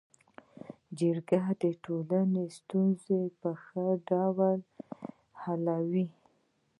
جرګه د ټولني ستونزي په ښه ډول حلوي.